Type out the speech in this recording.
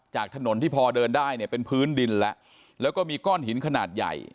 จากถนนที่พอเดินได้เนี่ยเป็นพื้นดินแล้วแล้วก็มีก้อนหินขนาดใหญ่